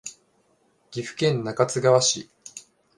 岐阜県中津川市